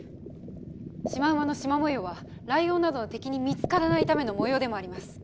シマウマのシマ模様はライオンなどの敵に見つからないための模様でもあります。